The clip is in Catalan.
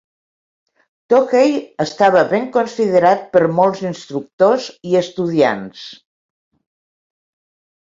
Tohei estava ben considerat per molts instructors i estudiants.